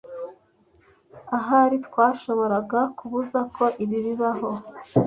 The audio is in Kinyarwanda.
Ahari twashoboraga kubuza ko ibi bibaho.